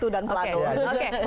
ec satu dan plano aja